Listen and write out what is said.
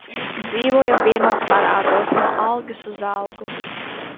Dzīvojam vienos parādos, no algas uz algu.